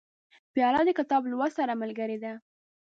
پیاله د کتاب لوست سره ملګرې ده.